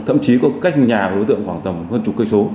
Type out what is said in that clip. thậm chí có cách nhà của đối tượng khoảng tầm hơn chục cây số